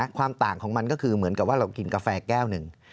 ความต่างของมันก็คือเหมือนกับว่าเรากินกาแฟแก้วหนึ่ง